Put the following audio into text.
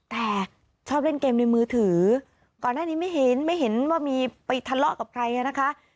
แต่ชอบเล่นเกมในมือถือก่อนหน้านี้ไม่เห็นไม่เห็นว่ามีไปทะเลาะกับใครนะคะ